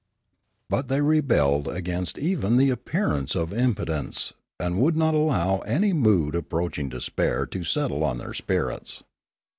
But they rebelled against even the appearance of im potence, and would not allow any mood approaching despair to settle on their spirits.